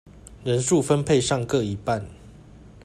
人數分配上各一半